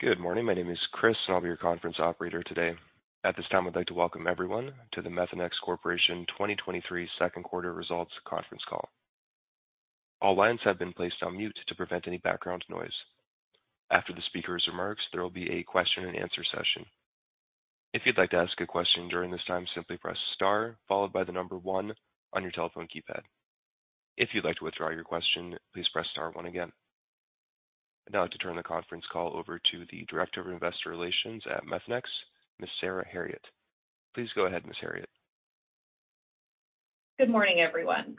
Good morning. My name is Chris, and I'll be your conference operator today. At this time, I'd like to welcome everyone to the Methanex Corporation 2023 second quarter results conference call. All lines have been placed on mute to prevent any background noise. After the speaker's remarks, there will be a question-and-answer session. If you'd like to ask a question during this time, simply press star, followed by the number one on your telephone keypad. If you'd like to withdraw your question, please press star one again. I'd now like to turn the conference call over to the Director of Investor Relations at Methanex, Ms. Sarah Herriott. Please go ahead, Ms. Herriott. Good morning, everyone.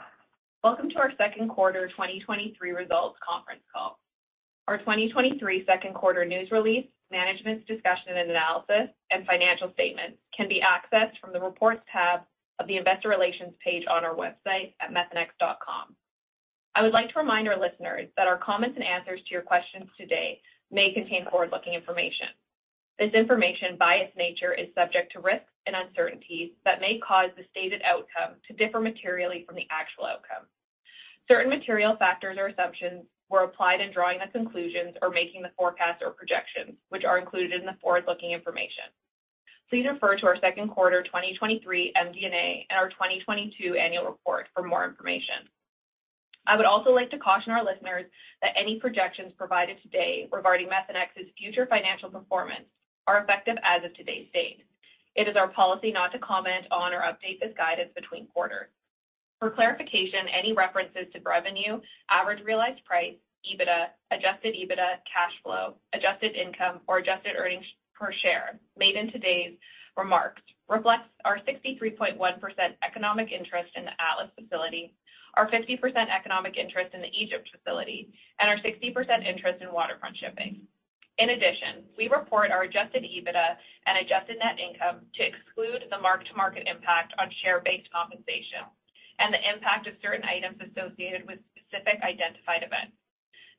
Welcome to our second quarter 2023 results conference call. Our 2023 second quarter news release, Management's Discussion and Analysis, and financial statements can be accessed from the Reports tab of the Investor Relations page on our website at methanex.com. I would like to remind our listeners that our comments and answers to your questions today may contain forward-looking information. This information, by its nature, is subject to risks and uncertainties that may cause the stated outcome to differ materially from the actual outcome. Certain material factors or assumptions were applied in drawing the conclusions or making the forecasts or projections, which are included in the forward-looking information. Please refer to our second quarter 2023 MD&A and our 2022 Annual Report for more information. I would also like to caution our listeners that any projections provided today regarding Methanex's future financial performance are effective as of today's date. It is our policy not to comment on or update this guidance between quarters. For clarification, any references to revenue, average realized price, EBITDA, adjusted EBITDA, cash flow, adjusted income, or adjusted earnings per share made in today's remarks reflects our 63.1% economic interest in the Atlas facility, our 50% economic interest in the Egypt facility, and our 60% interest in Waterfront Shipping. In addition, we report our adjusted EBITDA and adjusted net income to exclude the mark-to-market impact on share-based compensation and the impact of certain items associated with specific identified events.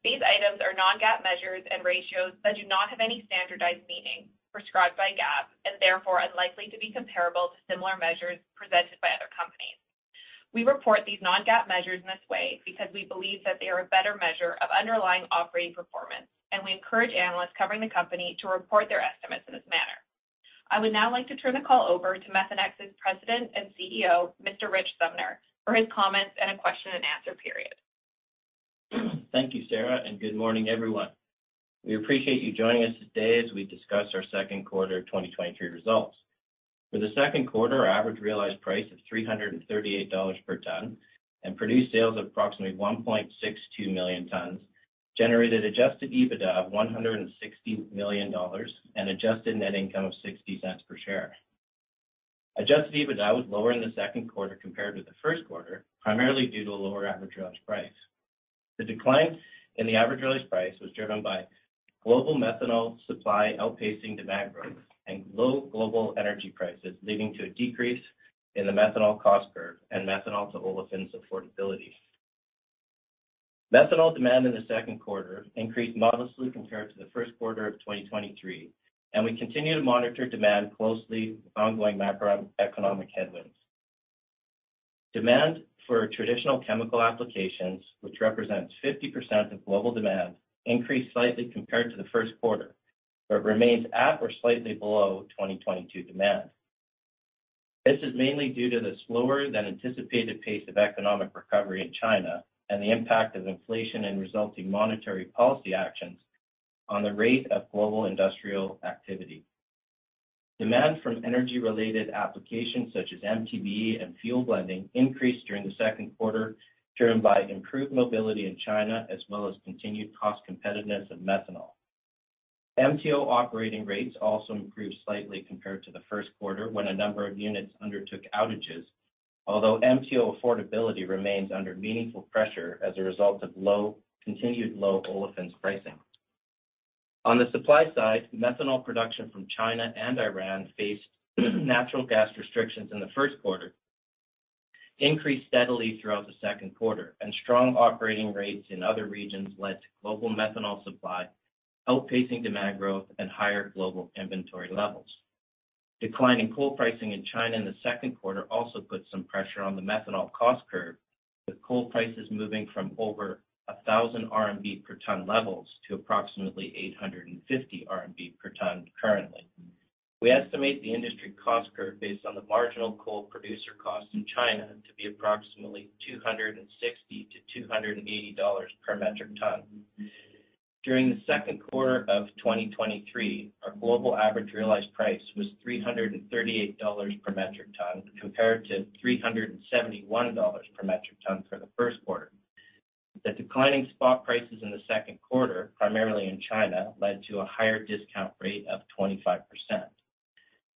These items are non-GAAP measures and ratios that do not have any standardized meaning prescribed by GAAP, and therefore are likely to be comparable to similar measures presented by other companies. We report these non-GAAP measures in this way because we believe that they are a better measure of underlying operating performance, and we encourage analysts covering the company to report their estimates in this manner. I would now like to turn the call over to Methanex's President and CEO, Mr. Rich Sumner, for his comments and a question-and-answer period. Thank you, Sarah. Good morning, everyone. We appreciate you joining us today as we discuss our second quarter 2023 results. For the second quarter, our average realized price of $338 per ton and produced sales of approximately 1.62 million tons, generated adjusted EBITDA of $160 million and adjusted net income of $0.60 per share. Adjusted EBITDA was lower in the second quarter compared to the first quarter, primarily due to a lower average realized price. The decline in the average realized price was driven by global methanol supply outpacing demand growth and low global energy prices, leading to a decrease in the methanol cost curve and methanol to olefins affordability. Methanol demand in the second quarter increased modestly compared to the first quarter of 2023. We continue to monitor demand closely with ongoing macroeconomic headwinds. Demand for traditional chemical applications, which represents 50% of global demand, increased slightly compared to the first quarter, but remains at or slightly below 2022 demand. This is mainly due to the slower than anticipated pace of economic recovery in China and the impact of inflation and resulting monetary policy actions on the rate of global industrial activity. Demand from energy-related applications such as MTBE and fuel blending increased during the second quarter, driven by improved mobility in China, as well as continued cost competitiveness of methanol. MTO operating rates also improved slightly compared to the first quarter, when a number of units undertook outages, although MTO affordability remains under meaningful pressure as a result of low continued low olefins pricing. On the supply side, methanol production from China and Iran faced natural gas restrictions in the first quarter, increased steadily throughout the second quarter, strong operating rates in other regions led to global methanol supply outpacing demand growth at higher global inventory levels. Declining coal pricing in China in the second quarter also put some pressure on the methanol cost curve, with coal prices moving from over 1,000 RMB per ton levels to approximately 850 RMB per ton currently. We estimate the industry cost curve based on the marginal coal producer costs in China to be approximately $260-$280 per metric ton. During the second quarter of 2023, our global average realized price was $338 per metric ton, compared to $371 per metric ton for the first quarter. The declining spot prices in the second quarter, primarily in China, led to a higher discount rate of 25%.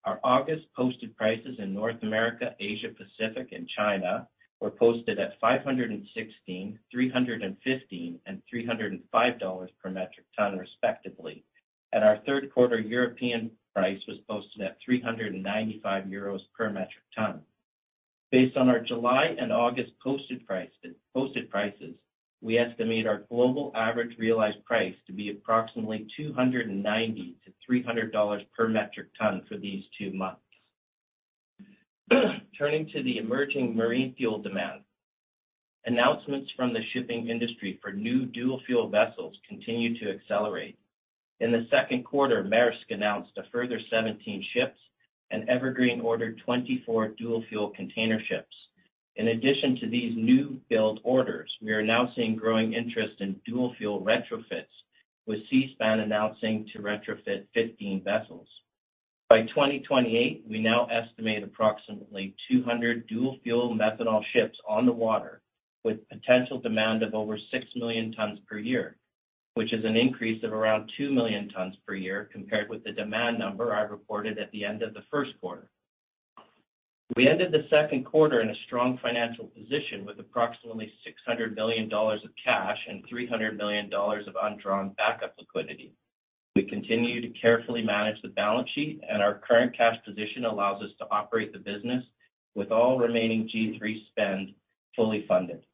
Our August posted prices in North America, Asia-Pacific, and China were posted at $516, $315, and $305 per metric ton, respectively. Our third quarter European price was posted at 395 euros per metric ton. Based on our July and August posted prices, we estimate our global average realized price to be approximately $290-$300 per metric ton for these two months. Turning to the emerging marine fuel demand. Announcements from the shipping industry for new dual fuel vessels continue to accelerate. In the second quarter, Maersk announced a further 17 ships, and Evergreen ordered 24 dual fuel container ships. In addition to these new build orders, we are now seeing growing interest in dual fuel retrofits, with Seaspan announcing to retrofit 15 vessels. By 2028, we now estimate approximately 200 dual fuel methanol ships on the water, with potential demand of over 6 million tons per year, which is an increase of around 2 million tons per year compared with the demand number I reported at the end of the first quarter. We ended the second quarter in a strong financial position, with approximately $600 million of cash and $300 million of undrawn backup liquidity. We continue to carefully manage the balance sheet, and our current cash position allows us to operate the business with all remaining G3 spend fully funded.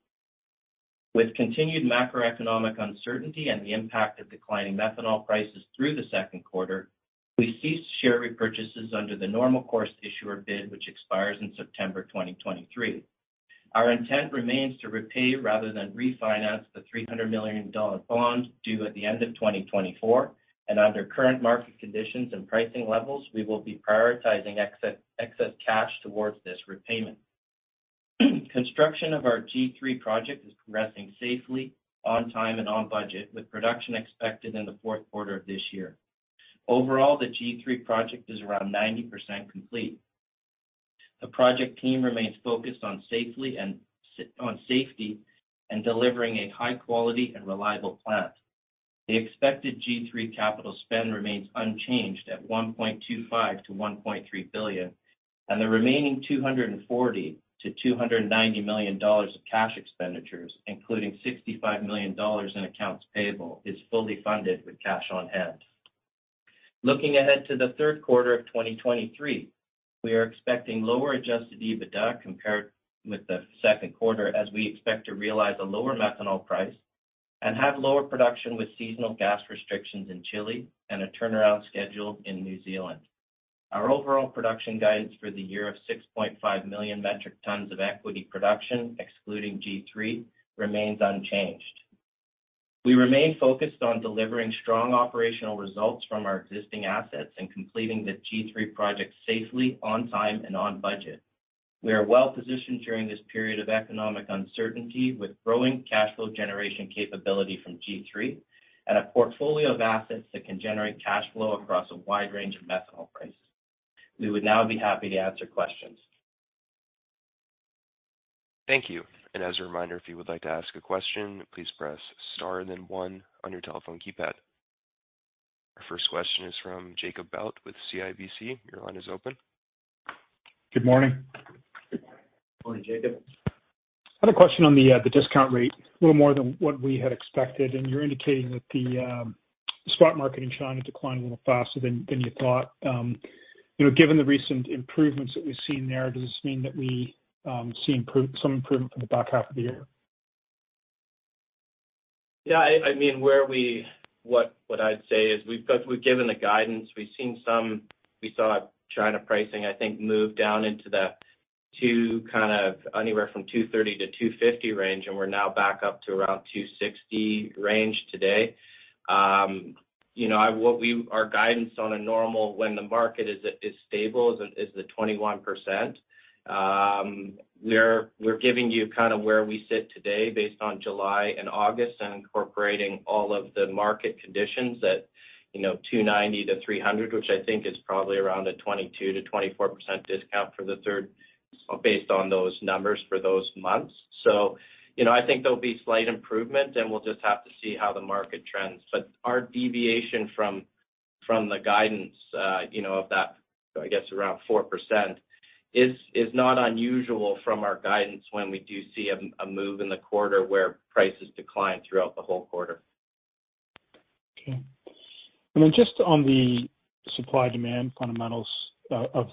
With continued macroeconomic uncertainty and the impact of declining methanol prices through the second quarter, we ceased share repurchases under the normal course issuer bid, which expires in September 2023. Our intent remains to repay rather than refinance the $300 million bond due at the end of 2024. Under current market conditions and pricing levels, we will be prioritizing excess cash towards this repayment. Construction of our G3 project is progressing safely, on time, and on budget, with production expected in the fourth quarter of this year. Overall, the G3 project is around 90% complete. The project team remains focused on safety and delivering a high quality and reliable plant. The expected G3 capital spend remains unchanged at $1.25 billion-$1.3 billion, and the remaining $240 million-$290 million of cash expenditures, including $65 million in accounts payable, is fully funded with cash on hand. Looking ahead to the third quarter of 2023, we are expecting lower adjusted EBITDA compared with the second quarter, as we expect to realize a lower methanol price and have lower production with seasonal gas restrictions in Chile and a turnaround schedule in New Zealand. Our overall production guidance for the year of 6.5 million metric tons of equity production, excluding G3, remains unchanged. We remain focused on delivering strong operational results from our existing assets and completing the G3 project safely, on time, and on budget. We are well positioned during this period of economic uncertainty, with growing cash flow generation capability from G3 and a portfolio of assets that can generate cash flow across a wide range of methanol prices. We would now be happy to answer questions. Thank you. As a reminder, if you would like to ask a question, please press Star and then one on your telephone keypad. Our first question is from Jacob Bout with CIBC. Your line is open. Good morning. Good morning, Jacob. I had a question on the discount rate, a little more than what we had expected, and you're indicating that the spot market in China declined a little faster than you thought. You know, given the recent improvements that we've seen there, does this mean that we see some improvement for the back half of the year? Yeah, I mean, what I'd say is we've given the guidance, we saw China pricing, I think, move down into the two, kind of anywhere from $230-$250 range, and we're now back up to around $260 range today. You know, our guidance on a normal, when the market is stable, is the 21%. We're giving you kind of where we sit today based on July and August and incorporating all of the market conditions that, you know, $290-$300, which I think is probably around a 22%-24% discount for the third, based on those numbers for those months. You know, I think there'll be slight improvement, and we'll just have to see how the market trends. Our deviation from the guidance, you know, of that, I guess, around 4%, is not unusual from our guidance when we do see a move in the quarter where prices decline throughout the whole quarter. Okay. Just on the supply-demand fundamentals of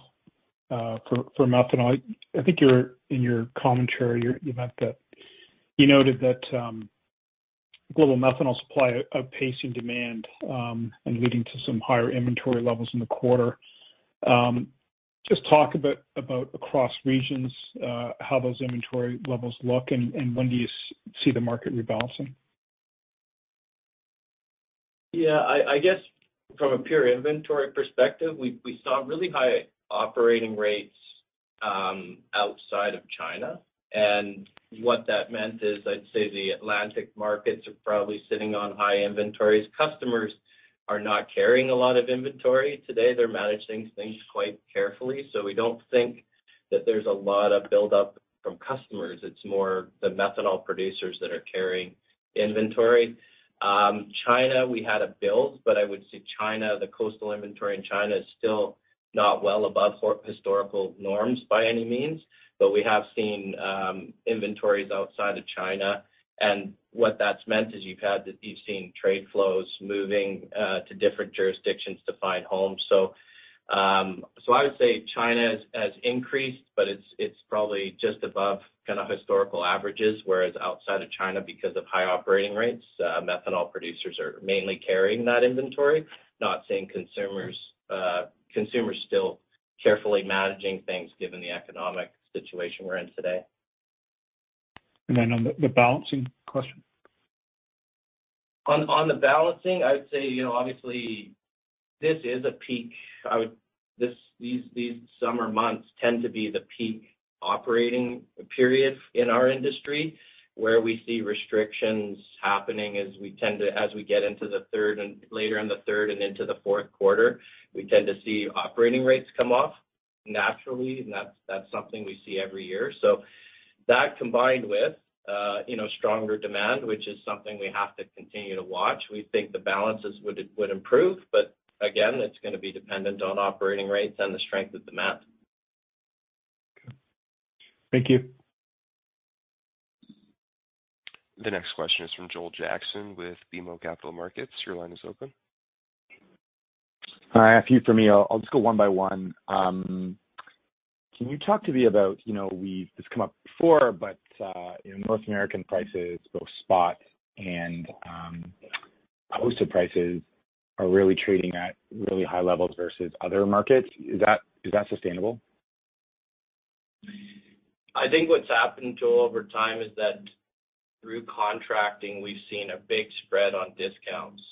methanol, I think in your commentary, you meant that, you noted that global methanol supply outpacing demand, and leading to some higher inventory levels in the quarter. Just talk a bit about across regions, how those inventory levels look, and when do you see the market rebalancing? I guess from a pure inventory perspective, we saw really high operating rates outside of China. What that meant is I'd say the Atlantic markets are probably sitting on high inventories. Customers are not carrying a lot of inventory. Today, they're managing things quite carefully, so we don't think that there's a lot of buildup from customers. It's more the methanol producers that are carrying inventory. China, we had a build, but I would say China, the coastal inventory in China is still not well above for historical norms by any means. We have seen inventories outside of China, and what that's meant is you've seen trade flows moving to different jurisdictions to find homes. I would say China has increased, but it's probably just above kind of historical averages, whereas outside of China, because of high operating rates, methanol producers are mainly carrying that inventory, not seeing consumers, consumers still carefully managing things given the economic situation we're in today. On the balancing question? On the balancing, I would say obviously, this is a peak. This, these summer months tend to be the peak operating period in our industry, where we see restrictions happening as we get into the third and later in the third and into the fourth quarter, we tend to see operating rates come off naturally, and that's something we see every year. That combined with, you know, stronger demand, which is something we have to continue to watch. We think the balances would improve, but again, it's gonna be dependent on operating rates and the strength of demand. Okay. Thank you. The next question is from Joel Jackson with BMO Capital Markets. Your line is open. Hi, a few for me. I'll just go one by one. Can you talk to me about, you know, this come up before, but, you know, North American prices, both spot and posted prices are really trading at really high levels versus other markets. Is that sustainable? I think what's happened, Joel, over time is that through contracting, we've seen a big spread on discounts.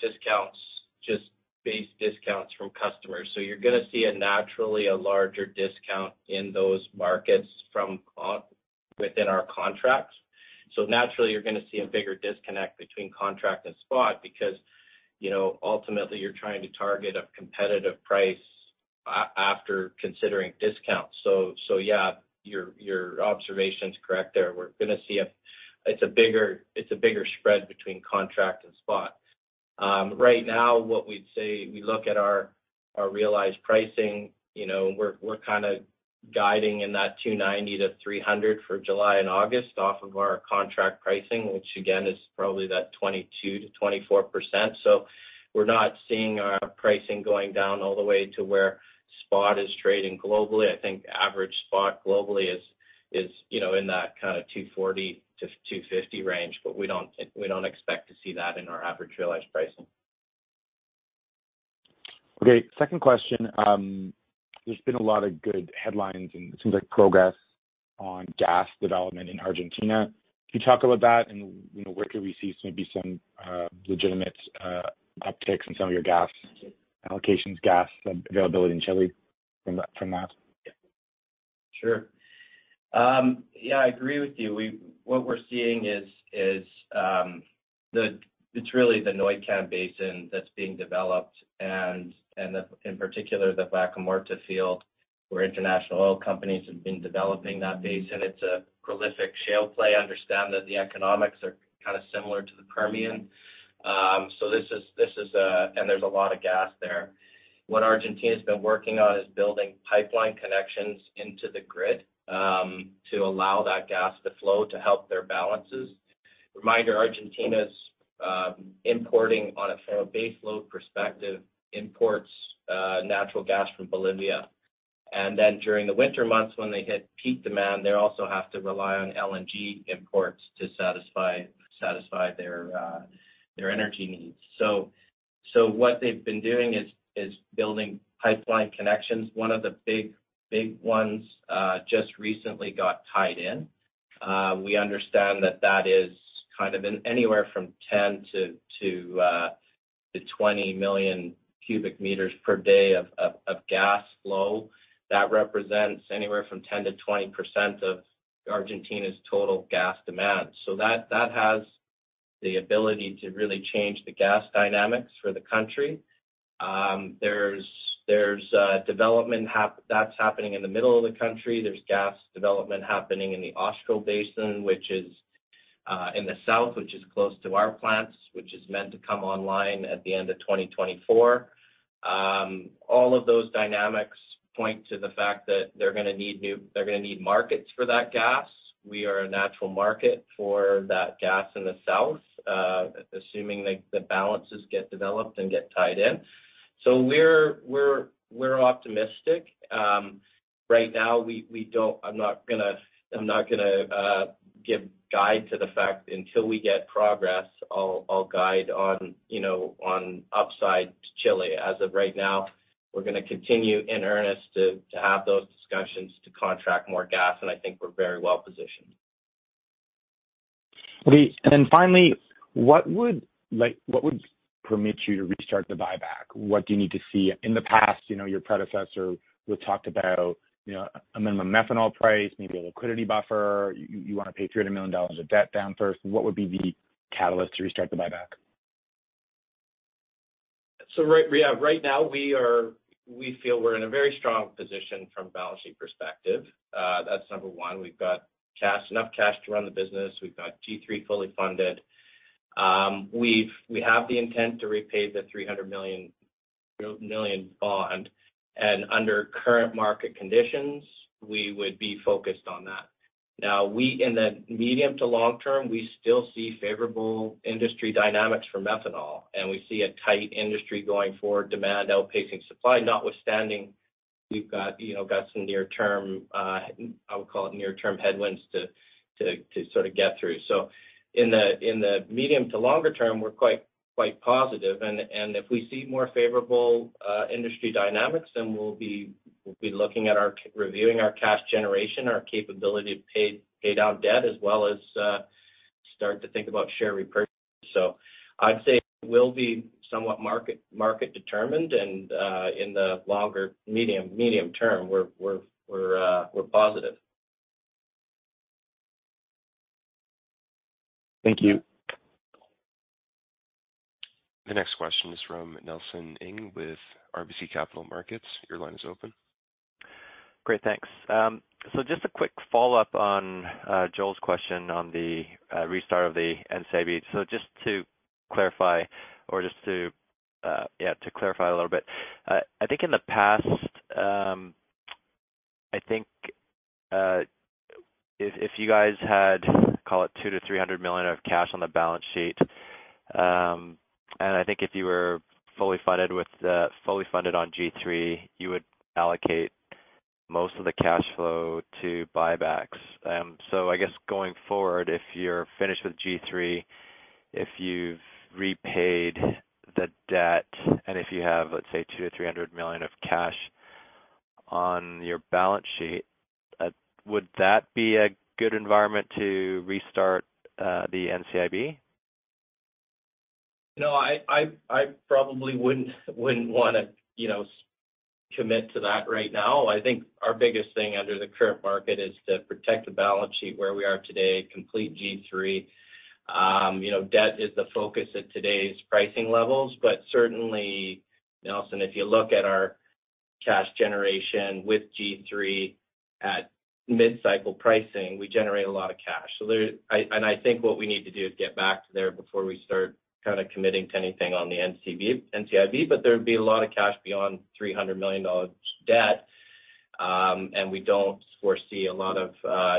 Discounts, just base discounts from customers. You're gonna see a naturally a larger discount in those markets from within our contracts. Naturally, you're gonna see a bigger disconnect between contract and spot because, you know, ultimately you're trying to target a competitive price after considering discounts. Yeah, your observation is correct there. It's a bigger spread between contract and spot. Right now, what we'd say, we look at our realized pricing, you know, we're kind of guiding in that $290-$300 for July and August off of our contract pricing, which again, is probably that 22%-24%. We're not seeing our pricing going down all the way to where spot is trading globally. I think average spot globally is, you know, in that kind of $240-$250 range, but we don't expect to see that in our average realized pricing. Okay, second question. There's been a lot of good headlines and it seems like progress on gas development in Argentina. Can you talk about that? You know, where could we see maybe some legitimate upticks in some of your gas allocations, gas availability in Chile from that? Sure. Yeah, I agree with you. What we're seeing is, is, it's really the Neuquén Basin that's being developed, and, and the, in particular, the Vaca Muerta field, where international oil companies have been developing that basin. It's a prolific shale play. I understand that the economics are kind of similar to the Permian. So this is, this is, there's a lot of gas there. What Argentina has been working on is building pipeline connections into the grid, to allow that gas to flow, to help their balances. Reminder, Argentina's, importing on a base load perspective, imports, natural gas from Bolivia. During the winter months when they hit peak demand, they also have to rely on LNG imports to satisfy their energy needs. What they've been doing is, is building pipeline connections. One of the big, big ones just recently got tied in. We understand that that is kind of in anywhere from 10-20 million cubic meters per day of gas flow. That represents anywhere from 10%-20% of Argentina's total gas demand. That has the ability to really change the gas dynamics for the country. There's development that's happening in the middle of the country. There's gas development happening in the Austral Basin, which is in the south, which is close to our plants, which is meant to come online at the end of 2024. All of those dynamics point to the fact that they're gonna need markets for that gas. We are a natural market for that gas in the south, assuming the balances get developed and get tied in. We're optimistic. Right now, we don't. I'm not gonna give guide to the fact until we get progress, I'll guide on, you know, on upside to Chile. As of right now, we're gonna continue in earnest to have those discussions to contract more gas, and I think we're very well positioned. Okay. finally, what would, like, what would permit you to restart the buyback? What do you need to see? In the past, you know, your predecessor would talk about, you know, a minimum methanol price, maybe a liquidity buffer. You wanna pay $300 million of debt down first. What would be the catalyst to restart the buyback? Right now we feel we're in a very strong position from a balance sheet perspective. That's number one. We've got cash, enough cash to run the business. We've got G3 fully funded. We have the intent to repay the $300 million bond, and under current market conditions, we would be focused on that. In the medium to long term, we still see favorable industry dynamics for methanol, and we see a tight industry going forward, demand outpacing supply, notwithstanding, we've got, you know, some near term, I would call it near term headwinds to sort of get through. In the medium to longer term, we're quite positive. If we see more favorable industry dynamics, then we'll be reviewing our cash generation, our capability to pay down debt, as well as, start to think about share repurchase. I'd say it will be somewhat market determined, and in the longer medium term, we're positive. Thank you. The next question is from Nelson Ng with RBC Capital Markets. Your line is open. Great, thanks. Just a quick follow-up on Joel's question on the restart of the NCIB. Just to clarify or to clarify a little bit. I think in the past, I think if you guys had, call it $200 million-$300 million of cash on the balance sheet, I think if you were fully funded with fully funded on G3, you would allocate most of the cash flow to buybacks. I guess going forward, if you're finished with G3, if you've repaid the debt, and if you have, let's say, $200 million-$300 million of cash on your balance sheet, would that be a good environment to restart the NCIB? No, I probably wouldn't wanna, you know, commit to that right now. I think our biggest thing under the current market is to protect the balance sheet where we are today, complete G3. You know, debt is the focus at today's pricing levels, certainly, Nelson, if you look at our cash generation with G3 at mid-cycle pricing, we generate a lot of cash. I think what we need to do is get back to there before we start kind of committing to anything on the NCIB, there would be a lot of cash beyond $300 million debt, and we don't foresee a lot of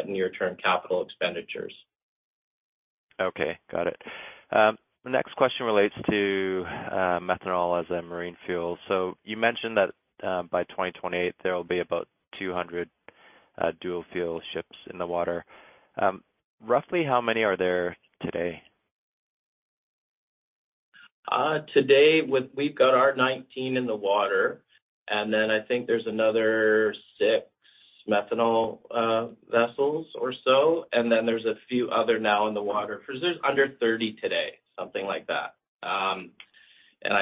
near-term capital expenditures. Okay, got it. The next question relates to methanol as a marine fuel. You mentioned that by 2028, there will be about 200 dual-fuel ships in the water. Roughly how many are there today? Today, we've got our 19 in the water, I think there's another six methanol vessels or so, there's a few other now in the water, so there's under 30 today, something like that. I,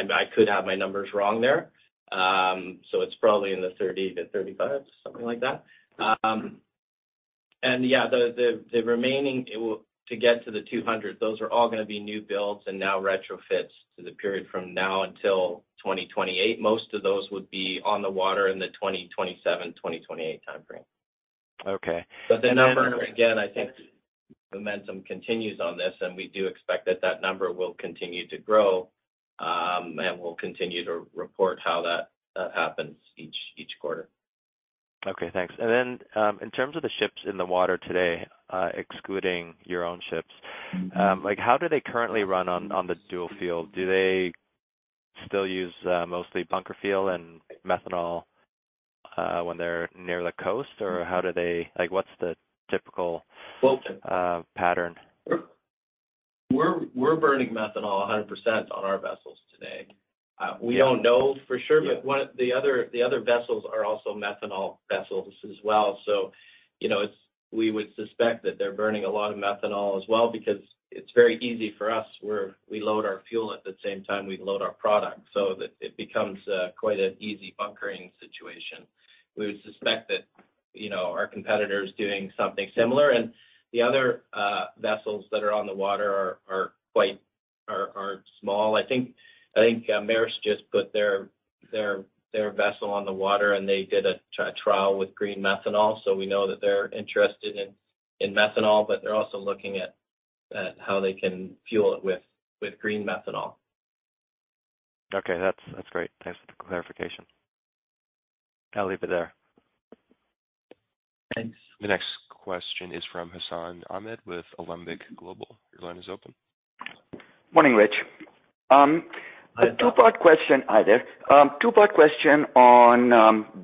I could have my numbers wrong there. It's probably in the 30-35, something like that. Yeah, the remaining, to get to the 200, those are all gonna be new builds and now retrofits to the period from now until 2028. Most of those would be on the water in the 2027, 2028 time frame. Okay. The number, again, I think momentum continues on this, and we do expect that that number will continue to grow, and we'll continue to report how that happens each quarter. Okay, thanks. Then, in terms of the ships in the water today, excluding your own ships, like, how do they currently run on the dual fuel? Do they still use mostly bunker fuel and methanol when they're near the coast? Like, what's the typical pattern? We're burning methanol 100% on our vessels today. We don't know for sure, but one of the other vessels are also methanol vessels as well. You know, we would suspect that they're burning a lot of methanol as well because it's very easy for us, where we load our fuel at the same time we load our product, so that it becomes quite an easy bunkering situation. We would suspect that, you know, our competitor is doing something similar, and the other vessels that are on the water are quite small. I think Maersk just put their vessel on the water, and they did a trial with green methanol. We know that they're interested in methanol, but they're also looking at how they can fuel it with green methanol. Okay. That's great. Thanks for the clarification. I'll leave it there. Thanks. The next question is from Hassan Ahmed with Alembic Global. Your line is open. Morning, Rich. A two-part question on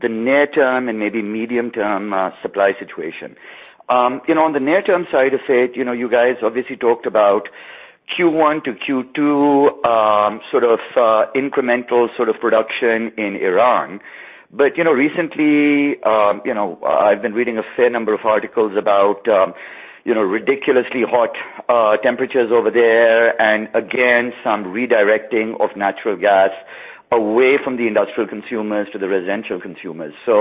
the near-term and maybe medium-term supply situation. You know, on the near-term side of it, you know, you guys obviously talked about Q1 to Q2 sort of incremental sort of production in Iran. You know, recently, you know, I've been reading a fair number of articles about, you know, ridiculously hot temperatures over there, and again, some redirecting of natural gas away from the industrial consumers to the residential consumers. You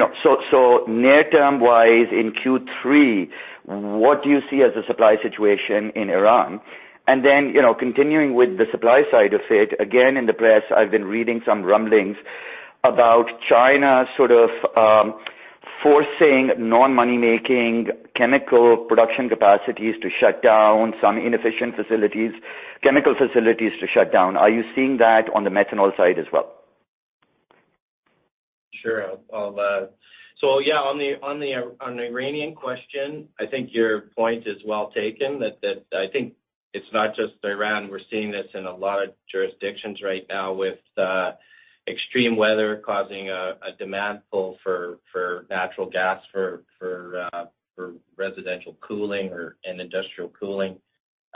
know, so near term-wise, in Q3, what do you see as the supply situation in Iran? You know, continuing with the supply side of it, again, in the press, I've been reading some rumblings about China sort of, forcing non-money-making chemical production capacities to shut down, some inefficient facilities, chemical facilities to shut down. Are you seeing that on the methanol side as well? Sure. I'll yeah, on the Iranian question, I think your point is well taken, that it's not just Iran. We're seeing this in a lot of jurisdictions right now with extreme weather causing a demand pull for natural gas, for residential cooling or, and industrial cooling.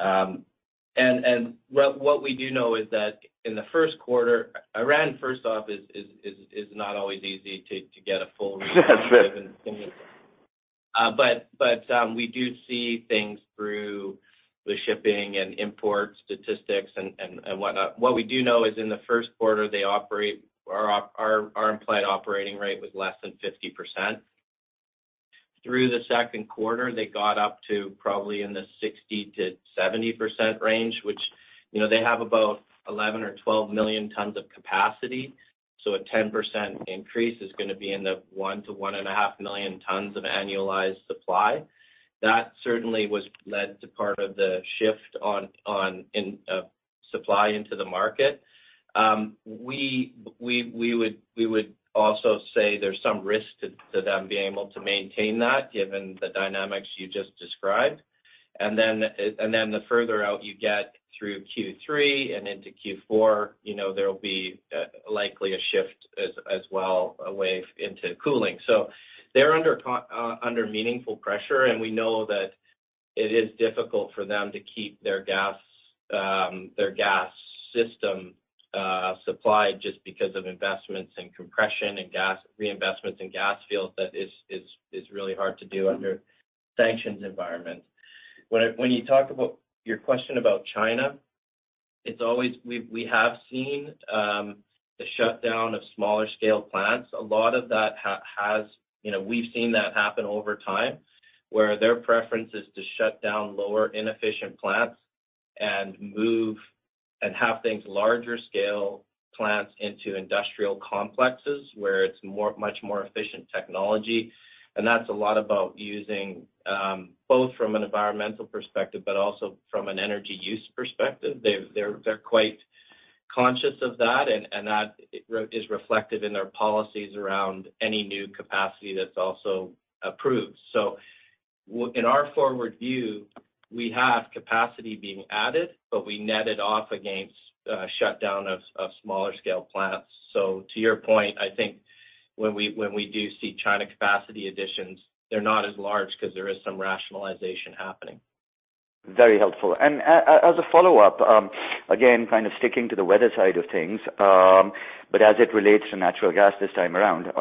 What we do know is that in the first quarter, Iran, first off, is not always easy to get a full read. We do see things through the shipping and import statistics and whatnot. What we do know is in the first quarter, our implied operating rate was less than 50%. Through the second quarter, they got up to probably in the 60%-70% range, which they have about 11 or 12 million tons of capacity. A 10% increase is gonna be in the 1 million-1.5 million tons of annualized supply. That certainly was led to part of the shift on, on, in supply into the market. We would also say there's some risk to them being able to maintain that, given the dynamics you just described. The further out you get through Q3 and into Q4, you know, there will be likely a shift as well, a way into cooling. They're under meaningful pressure, and we know that it is difficult for them to keep their gas system supplied just because of investments in compression and reinvestments in gas fields. That is really hard to do under sanctions environment. When you talk about your question about China, we have seen the shutdown of smaller scale plants. A lot of that has, you know, we've seen that happen over time, where their preference is to shut down lower inefficient plants and move, and have things larger scale plants into industrial complexes, where it's much more efficient technology. That's a lot about using, both from an environmental perspective but also from an energy use perspective. They're quite conscious of that, and that is reflected in their policies around any new capacity that's also approved. In our forward view, we have capacity being added, but we net it off against shutdown of smaller scale plants. To your point, I think when we do see China capacity additions, they're not as large because there is some rationalization happening. Very helpful. As a follow-up, again, kind of sticking to the weather side of things, but as it relates to natural gas this time around.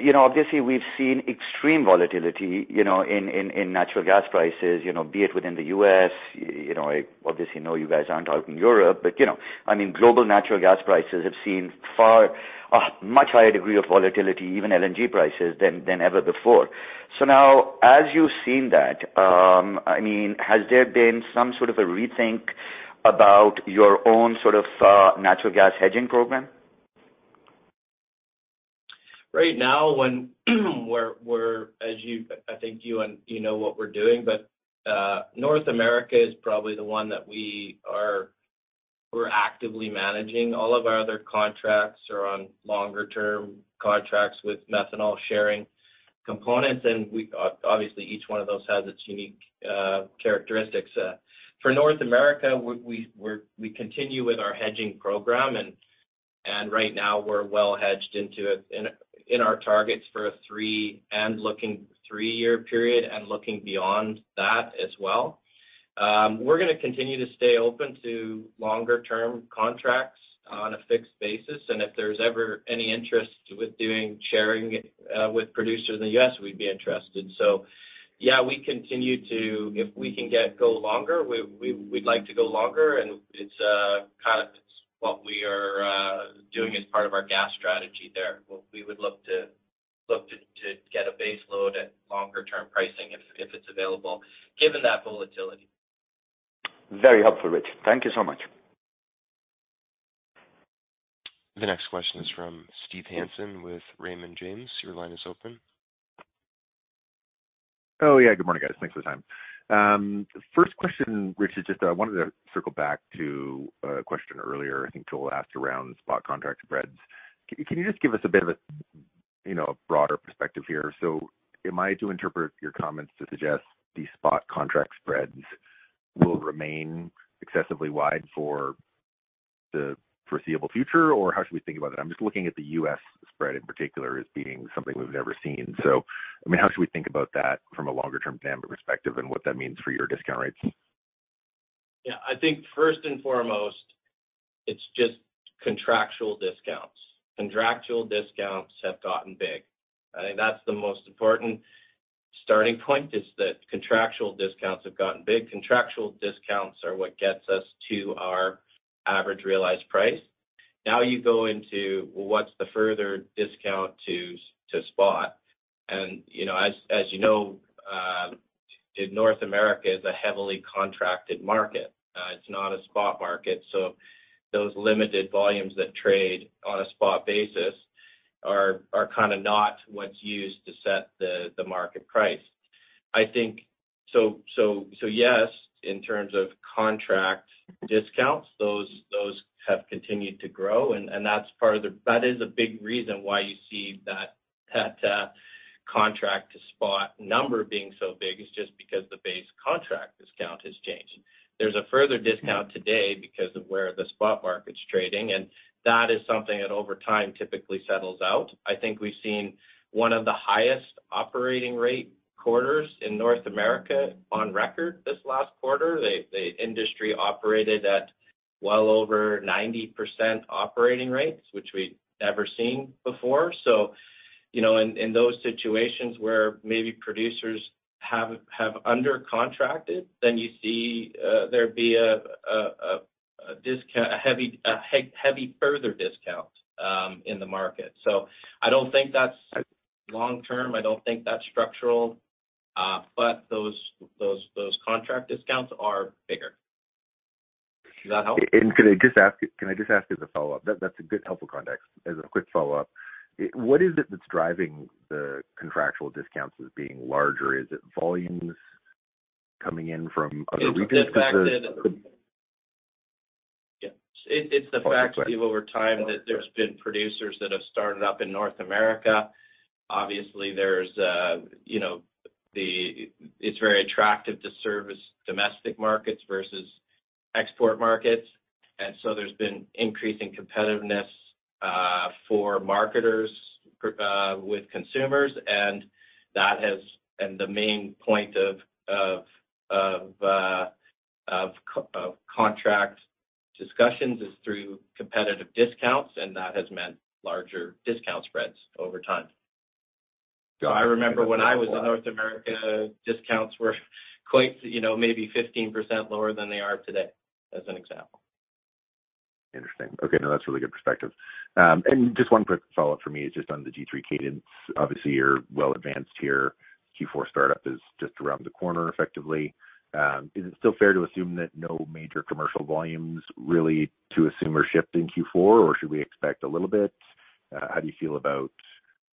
You know, obviously, we've seen extreme volatility, you know, in, in, in natural gas prices, you know, be it within the U.S. You know, I obviously know you guys aren't out in Europe, but, you know, I mean, global natural gas prices have seen far, a much higher degree of volatility, even LNG prices than ever before. Now, as you've seen that, I mean, has there been some sort of a rethink about your own sort of natural gas hedging program? Right now, we're, I think you and you know what we're doing, but North America is probably the one that we're actively managing. All of our other contracts are on longer-term contracts with methanol sharing components, and obviously, each one of those has its unique characteristics. For North America, we continue with our hedging program, and right now we're well hedged into it, in our targets for a three-year period and looking beyond that as well. We're gonna continue to stay open to longer-term contracts on a fixed basis, and if there's ever any interest with doing sharing with producers in the U.S., we'd be interested. Yeah, we continue to... If we can get go longer, we'd like to go longer, and it's kind of what we are doing as part of our gas strategy there. We would love to get a base load at longer-term pricing if it's available, given that volatility. Very helpful, Rich. Thank you so much. The next question is from Steve Hansen with Raymond James. Your line is open. Oh, yeah. Good morning, guys. Thanks for the time. First question, Rich, just, wanted to circle back to a question earlier, I think Joel asked around spot contract spreads. Can you just give us a bit of a, you know, a broader perspective here? Am I to interpret your comments to suggest these spot contract spreads will remain excessively wide for the foreseeable future, or how should we think about that? I'm just looking at the U.S. spread in particular as being something we've never seen. I mean, how should we think about that from a longer-term perspective and what that means for your discount rates? Yeah, I think first and foremost, it's just contractual discounts. Contractual discounts have gotten big. I think that's the most important starting point, is that contractual discounts have gotten big. Contractual discounts are what gets us to our average realized price. You go into, what's the further discount to spot? You know, as you know, North America is a heavily contracted market. It's not a spot market, so those limited volumes that trade on a spot basis are kinda not what's used to set the market price. I think so yes, in terms of contractual discounts, those have continued to grow, and that's part of the that is a big reason why you see that, contract to spot number being so big, is just because the base contract discount has changed. There's a further discount today because of where the spot market's trading. That is something that over time typically settles out. I think we've seen one of the highest operating rate quarters in North America on record this last quarter. The industry operated at well over 90% operating rates, which we've never seen before. You know, in those situations where maybe producers have under-contracted, then you see a discount, a heavy further discount in the market. I don't think that's long term, I don't think that's structural, those contract discounts are bigger. Does that help? Can I just ask you as a follow-up? That's a good, helpful context. As a quick follow-up, what is it that's driving the contractual discounts as being larger? Is it volumes coming in from other regions? It's the fact. Could- Yeah. It's the fact that over time that there's been producers that have started up in North America. Obviously, you know, it's very attractive to service domestic markets versus export markets, so there's been increasing competitiveness for marketers with consumers, and that has... The main point of contract discussions is through competitive discounts, and that has meant larger discount spreads over time. I remember when I was in North America, discounts were quite, you know, maybe 15% lower than they are today, as an example. Interesting. Okay, now, that's a really good perspective. Just 1 quick follow-up for me is just on the G3 cadence. Obviously, you're well advanced here. Q4 startup is just around the corner, effectively. Is it still fair to assume that no major commercial volumes, really, to assume, are shipped in Q4, or should we expect a little bit? How do you feel about,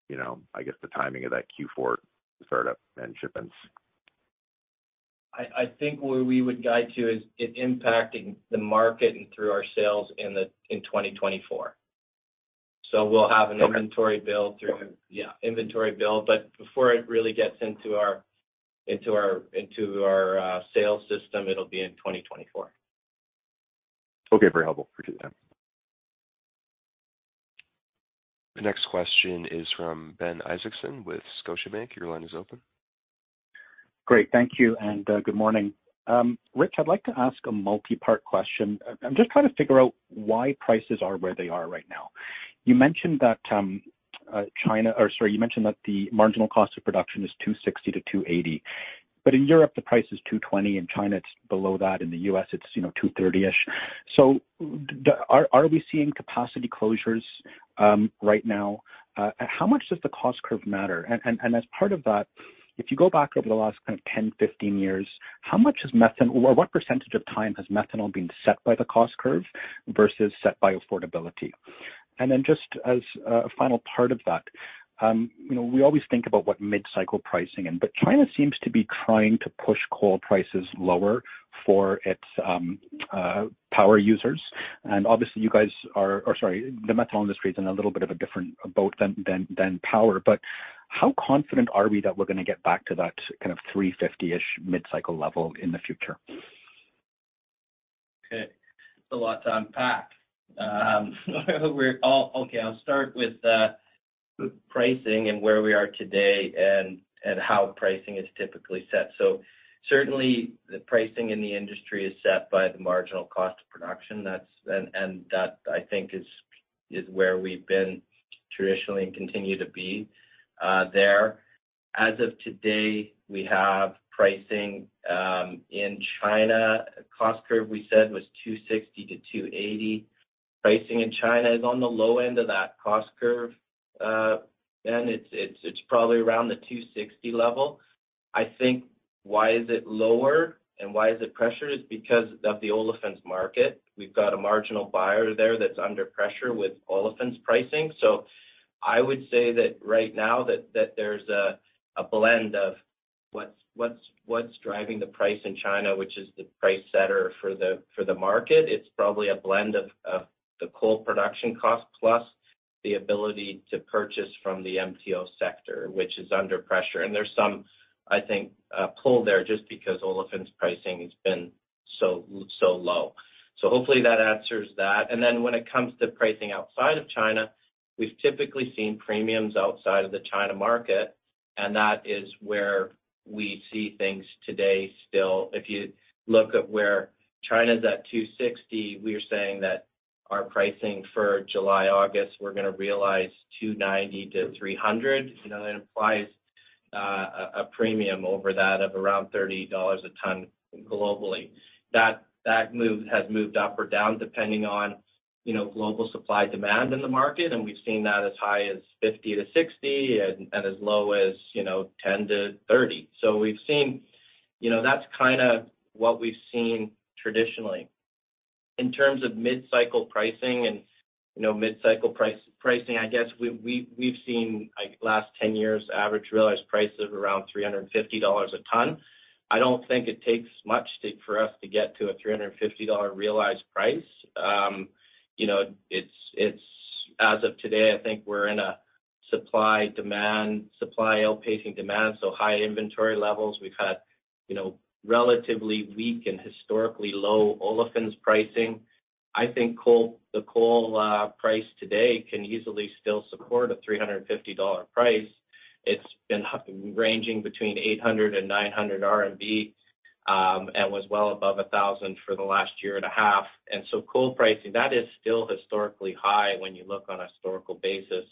you know, I guess, the timing of that Q4 startup and shipments? I think what we would guide to is it impacting the market and through our sales in 2024. we'll have. Okay. inventory build through, yeah, inventory build. Before it really gets into our sales system, it'll be in 2024. Very helpful. Appreciate that. The next question is from Ben Isaacson with Scotiabank. Your line is open. Great. Thank you, and good morning. Rich, I'd like to ask a multi-part question. I'm just trying to figure out why prices are where they are right now. You mentioned that China, or sorry, you mentioned that the marginal cost of production is $260-$280, in Europe, the price is $220, in China, it's below that, in the U.S., it's, you know, $230-ish. Are we seeing capacity closures right now? How much does the cost curve matter? As part of that, if you go back over the last kind of 10, 15 years, how much has methanol or what percentage of time has methanol been set by the cost curve versus set by affordability? Just as a final part of that, you know, we always think about what mid-cycle pricing is, but China seems to be trying to push coal prices lower for its power users. Obviously, the methanol industry is in a little bit of a different boat than power, but how confident are we that we're gonna get back to that kind of 350-ish mid-cycle level in the future? Okay. A lot to unpack. Okay, I'll start with the pricing and where we are today and how pricing is typically set. Certainly, the pricing in the industry is set by the marginal cost of production. That's, and that, I think, is where we've been traditionally and continue to be there. As of today, we have pricing in China. Cost curve, we said, was $260 to $280. Pricing in China is on the low end of that cost curve. And it's probably around the $260 level. I think why is it lower and why is it pressured, is because of the olefins market. We've got a marginal buyer there that's under pressure with olefins pricing. I would say that right now that there's a blend of what's driving the price in China, which is the price setter for the market. It's probably a blend of the coal production cost, plus the ability to purchase from the MTO sector, which is under pressure. There's some, I think, pull there just because olefins pricing has been so low. Hopefully that answers that. When it comes to pricing outside of China, we've typically seen premiums outside of the China market, and that is where we see things today still. If you look at where China's at $260, we are saying that our pricing for July, August, we're gonna realize $290-$300. You know, that implies a premium over that of around $30 a ton globally. That move has moved up or down, depending on, you know, global supply-demand in the market, we've seen that as high as 50-60 and as low as, you know, 10-30. You know, that's kind of what we've seen traditionally. In terms of mid-cycle pricing. You know, mid-cycle pricing, I guess we've seen, like, last 10 years, average realized price of around $350 a ton. I don't think it takes much for us to get to a $350 realized price. You know, it's, as of today, I think we're in a supply outpacing demand, high inventory levels. We've had relatively weak and historically low olefins pricing. I think the coal, price today can easily still support a $350 price. It's been ranging between 800-900 RMB, and was well above 1,000 for the last year and a half. coal pricing, that is still historically high when you look on a historical basis.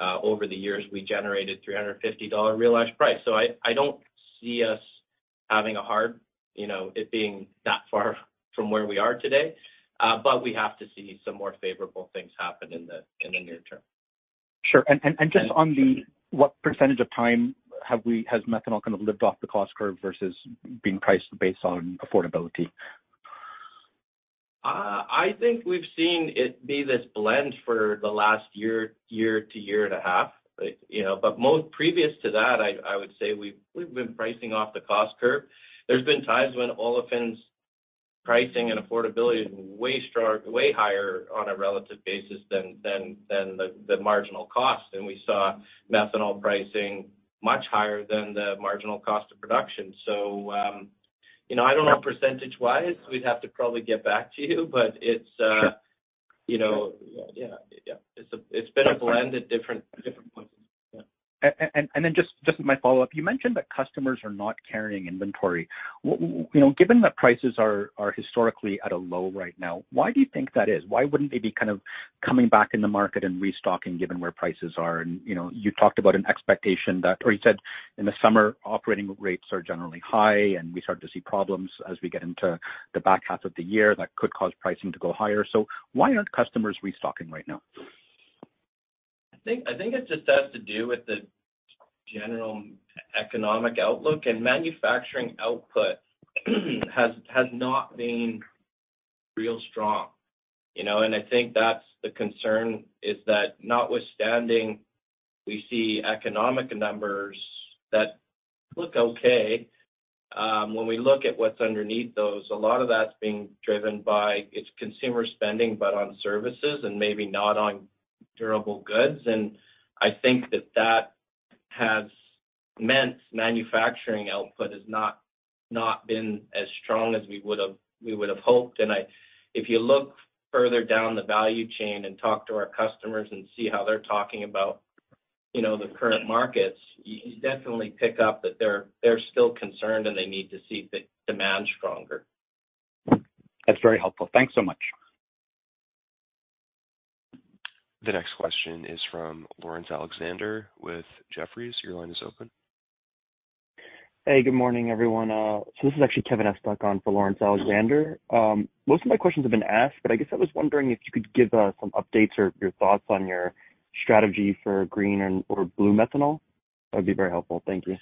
Over the years, we generated $350 realized price. I, I don't see us having a hard, you know, it being that far from where we are today, but we have to see some more favorable things happen in the, in the near term. Sure. And just on the, what percent of time has methanol kind of lived off the cost curve versus being priced based on affordability? I think we've seen it be this blend for the last year, year-to-year and a half, you know? Most previous to that, I would say we've been pricing off the cost curve. There's been times when olefins pricing and affordability is way strong, way higher on a relative basis than the marginal cost, and we saw methanol pricing much higher than the marginal cost of production. You know, I don't know percentage-wise, we'd have to probably get back to you, but it's you know, it's been a blend at different points. My follow-up, you mentioned that customers are not carrying inventory. you know, given that prices are historically at a low right now, why do you think that is? Why wouldn't they be kind of coming back in the market and restocking, given where prices are? You know, you talked about an expectation that. You said in the summer, operating rates are generally high, and we start to see problems as we get into the back half of the year that could cause pricing to go higher. Why aren't customers restocking right now? I think it just has to do with the general economic outlook, and manufacturing output has not been real strong, you know? I think that's the concern, is that notwithstanding, we see economic numbers that look okay, when we look at what's underneath those, a lot of that's being driven by its consumer spending, but on services and maybe not on durable goods. I think that that has meant manufacturing output has not been as strong as we would have, we would have hoped. If you look further down the value chain and talk to our customers and see how they're talking about, you know, the current markets, you definitely pick up that they're still concerned, and they need to see the demand stronger. That's very helpful. Thanks so much. The next question is from Lawrence Alexander with Jefferies. Your line is open. Hey, good morning, everyone. This is actually Kevin Estok on for Lawrence Alexander. Most of my questions have been asked, I guess I was wondering if you could give some updates or your thoughts on your strategy for green and/or blue methanol. That'd be very helpful. Thank you.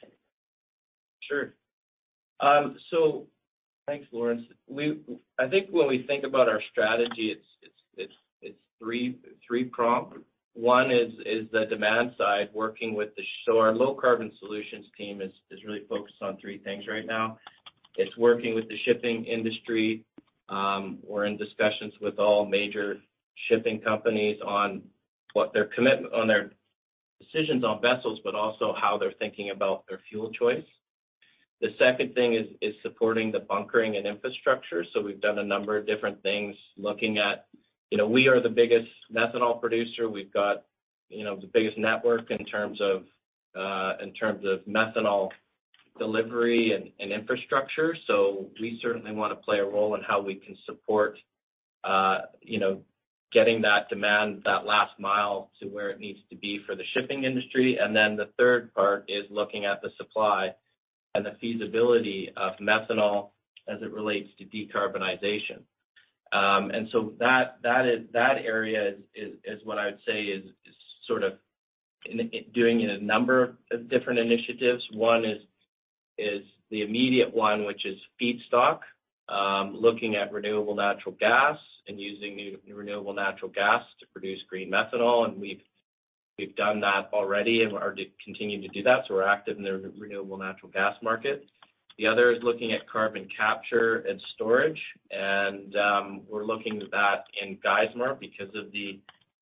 Sure. Thanks, Lawrence. I think when we think about our strategy, it's 3-prong. One is the demand side. Our low carbon solutions team is really focused on 3 things right now. It's working with the shipping industry. We're in discussions with all major shipping companies on what their decisions on vessels, but also how they're thinking about their fuel choice. The second thing is supporting the bunkering and infrastructure. We've done a number of different things, looking at, you know, we are the biggest methanol producer. We've got, you know, the biggest network in terms of methanol delivery and infrastructure. We certainly want to play a role in how we can support, you know, getting that demand, that last mile to where it needs to be for the shipping industry. The third part is looking at the supply and the feasibility of methanol as it relates to decarbonization. That area is what I would say is sort of doing it a number of different initiatives. One is the immediate one, which is feedstock, looking at renewable natural gas and using renewable natural gas to produce green methanol. We've done that already and are continuing to do that, so we're active in the renewable natural gas market. The other is looking at carbon capture and storage, and we're looking at that in Geismar because of the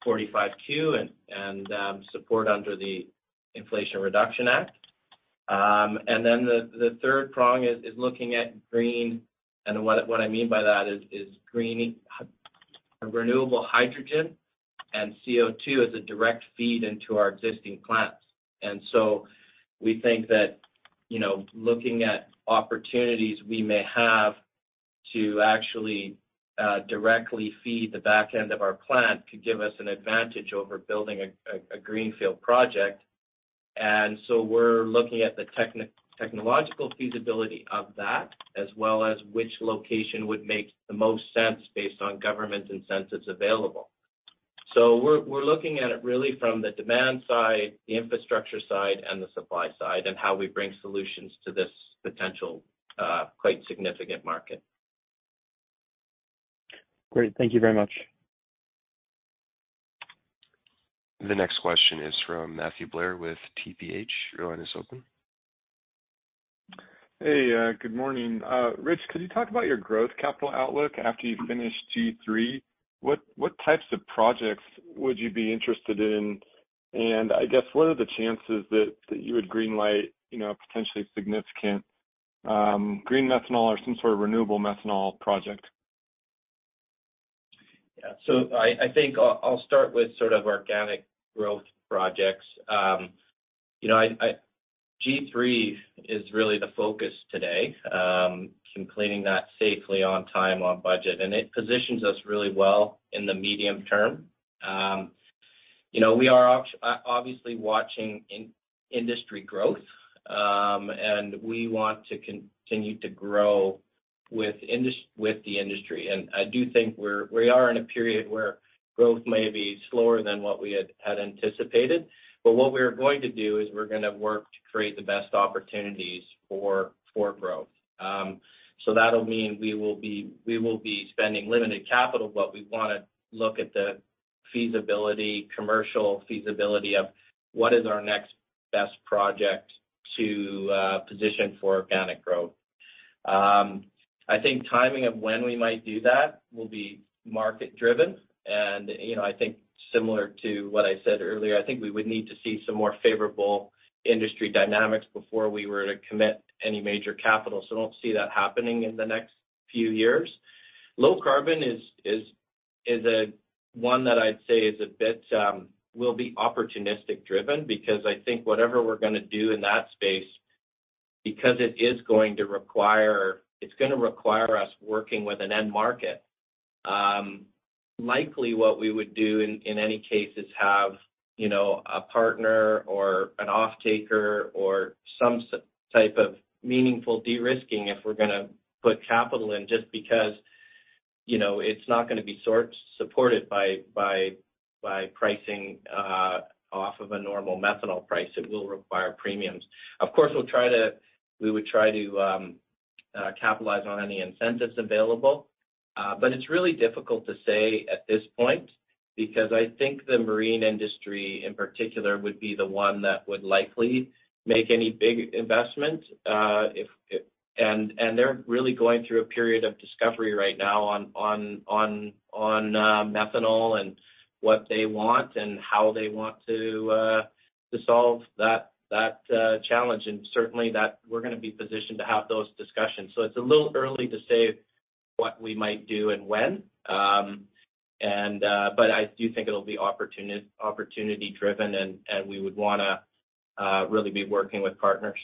45Q and support under the Inflation Reduction Act. Then the third prong is looking at green, and what I mean by that is green renewable hydrogen and CO2 as a direct feed into our existing plants. We think that, you know, looking at opportunities, we may have to actually directly feed the back end of our plant could give us an advantage over building a greenfield project. We're looking at the technological feasibility of that, as well as which location would make the most sense based on government incentives available. We're looking at it really from the demand side, the infrastructure side, and the supply side, and how we bring solutions to this potential, quite significant market. Great. Thank you very much. The next question is from Matthew Blair with TPH. Your line is open. Hey, good morning. Rich, could you talk about your growth capital outlook after you finish G3? What types of projects would you be interested in? I guess, what are the chances that you would green light, you know, a potentially significant, green methanol or some sort of renewable methanol project? Yeah. I think I'll start with sort of organic growth projects. you know, G3 is really the focus today, completing that safely on time, on budget, and it positions us really well in the medium term. you know, we are obviously watching industry growth, and we want to continue to grow with the industry. I do think we are in a period where growth may be slower than what we had anticipated. What we're going to do is we're gonna work to create the best opportunities for, for growth. That'll mean we will be spending limited capital, but we wanna look at the feasibility, commercial feasibility of what is our next best project to position for organic growth. I think timing of when we might do that will be market driven. You know, I think similar to what I said earlier, I think we would need to see some more favorable industry dynamics before we were to commit any major capital, so I don't see that happening in the next few years. Low carbon is a one that I'd say is a bit will be opportunistic driven, because I think whatever we're gonna do in that space, because it is going to require. It's gonna require us working with an end market. likely what we would do in any case, is have, you know, a partner or an offtaker or some type of meaningful de-risking if we're gonna put capital in, just because, you know, it's not gonna be supported by pricing off of a normal methanol price. It will require premiums. Of course, we would try to capitalize on any incentives available. It's really difficult to say at this point, because I think the marine industry, in particular, would be the one that would likely make any big investment. If they're really going through a period of discovery right now on methanol and what they want and how they want to solve that challenge, and certainly that we're gonna be positioned to have those discussions. It's a little early to say what we might do and when. I do think it'll be opportunity driven, and we would wanna really be working with partners.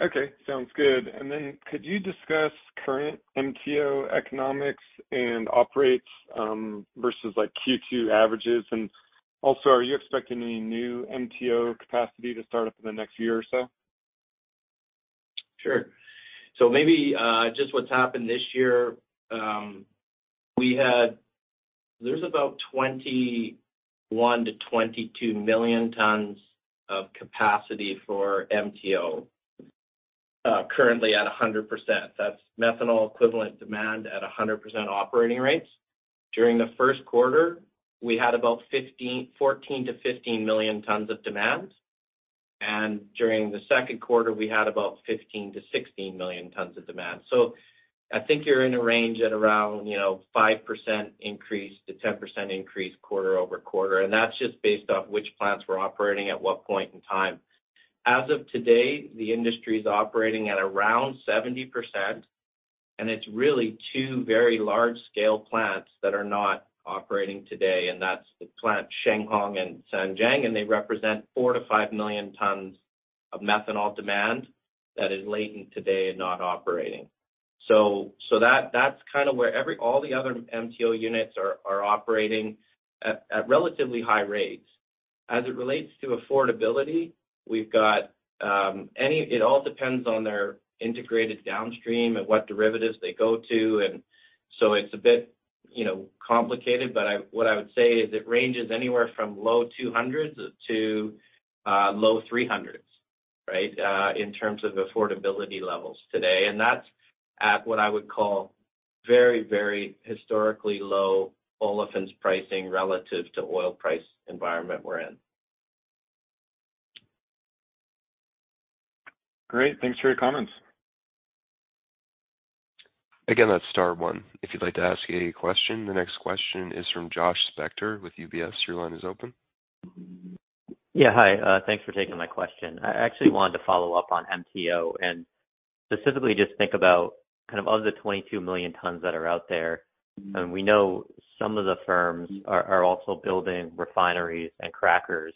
Okay, sounds good. Then could you discuss current MTO economics and operates, versus like Q2 averages? Also, are you expecting any new MTO capacity to start up in the next year or so? Sure. Just what's happened this year, there's about 21-22 million tons of capacity for MTO, currently at 100%. That's methanol equivalent demand at 100% operating rates. During the 1st quarter, we had about 14-15 million tons of demand, and during the 2nd quarter, we had about 15-16 million tons of demand. I think you're in a range at around, you know, 5% increase to 10% increase quarter-over-quarter, and that's just based off which plants were operating at what point in time. As of today, the industry is operating at around 70%, and it's really two very large-scale plants that are not operating today, and that's the plant Shenghong and Zhejiang, and they represent 4-5 million tons of methanol demand that is latent today and not operating. That's kind of where all the other MTO units are operating at relatively high rates. As it relates to affordability, we've got, it all depends on their integrated downstream and what derivatives they go to, and so it's a bit, you know, complicated. What I would say is it ranges anywhere from low 200s to low 300s, right? In terms of affordability levels today. That's at what I would call very, very historically low olefins pricing relative to oil price environment we're in. Great. Thanks for your comments. Again, that's star one. If you'd like to ask any question. The next question is from Josh Spector with UBS. Your line is open. Yeah, hi. Thanks for taking my question. I actually wanted to follow up on MTO, and specifically, just think about kind of, of the 22 million tons that are out there. We know some of the firms are also building refineries and crackers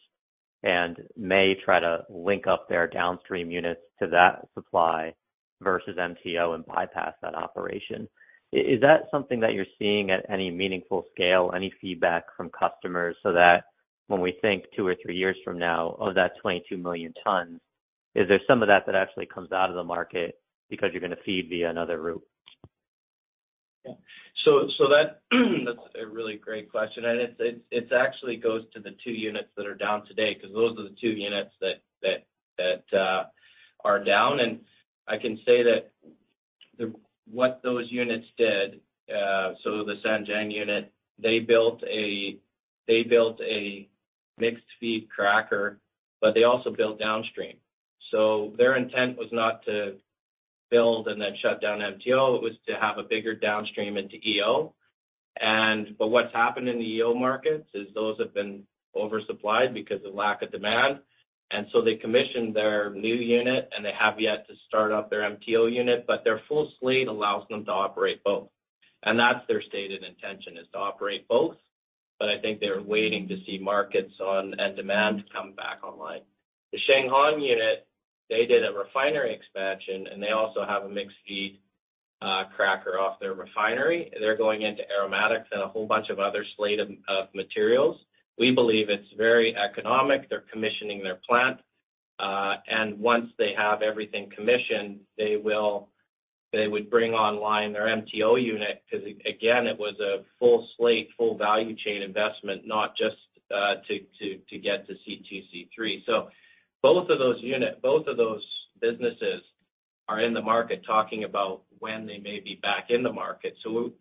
and may try to link up their downstream units to that supply versus MTO and bypass that operation. Is that something that you're seeing at any meaningful scale, any feedback from customers so that when we think two or three years from now, of that 22 million tons, is there some of that that actually comes out of the market because you're gonna feed via another route? Yeah. That's a really great question, and it actually goes to the two units that are down today, because those are the two units that are down. I can say that what those units did, the Zhejiang unit, they built a mixed feed cracker, but they also built downstream. Their intent was not to build and then shut down MTO, it was to have a bigger downstream into EO. But what's happened in the EO markets is those have been oversupplied because of lack of demand, they commissioned their new unit, they have yet to start up their MTO unit, but their full slate allows them to operate both. That's their stated intention, is to operate both, but I think they're waiting to see markets on and demand come back online. The Shenghong unit, they did a refinery expansion, and they also have a mixed feed cracker off their refinery. They're going into aromatics and a whole bunch of other slate of materials. We believe it's very economic. They're commissioning their plant, and once they have everything commissioned, they would bring online their MTO unit, 'cause again, it was a full slate, full value chain investment, not just to get to C2/C3. Both of those businesses are in the market talking about when they may be back in the market.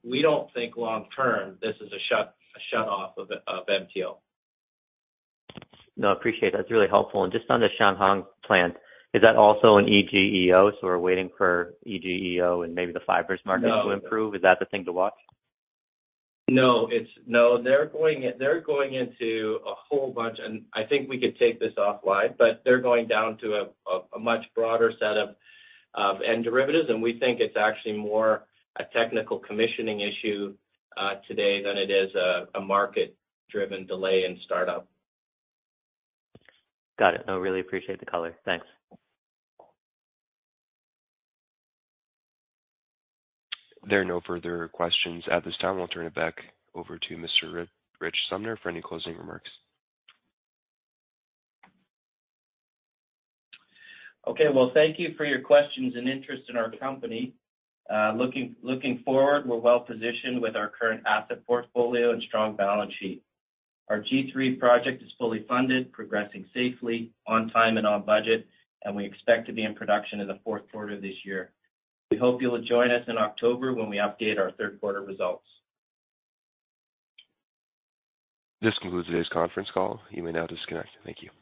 We don't think long term, this is a shut off of MTO. No, appreciate that. It's really helpful. Just on the Shenghong plant, is that also an EG/EO? We're waiting for EG/EO and maybe the fibers market to improve. Is that the thing to watch? No, they're going into a whole bunch, and I think we could take this offline, but they're going down to a much broader set of end derivatives, and we think it's actually more a technical commissioning issue today than it is a market-driven delay in startup. Got it. No, really appreciate the color. Thanks. There are no further questions at this time. I'll turn it back over to Mr. Rich Sumner for any closing remarks. Okay, well, thank you for your questions and interest in our company. Looking forward, we're well positioned with our current asset portfolio and strong balance sheet. Our G3 project is fully funded, progressing safely, on time and on budget. We expect to be in production in the fourth quarter of this year. We hope you will join us in October when we update our third quarter results. This concludes today's conference call. You may now disconnect. Thank you.